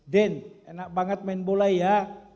den enak banget main bola ya